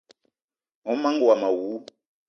Mon manga womo awou!